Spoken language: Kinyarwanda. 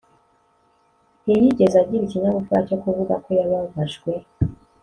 ntiyigeze agira ikinyabupfura cyo kuvuga ko yababajwe